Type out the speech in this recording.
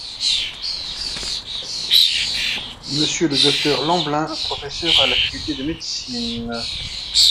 Monsieur le Dr Lambling, professeur à la Faculté de médecine.